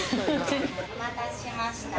お待たせしました。